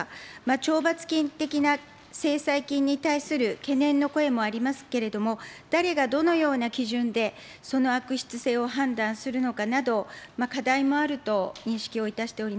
懲罰金的な制裁金に対する懸念の声もありますけれども、誰がどのような基準で、その悪質性を判断するのかなど、課題もあると認識をいたしております。